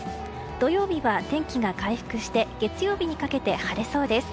土曜日は天気が回復して月曜日にかけて晴れそうです。